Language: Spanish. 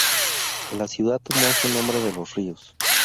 La ciudad tomó su nombre de los ríos.